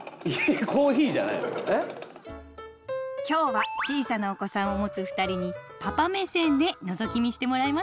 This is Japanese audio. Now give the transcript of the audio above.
今日は小さなお子さんを持つ２人にパパ目線でのぞき見してもらいますよ。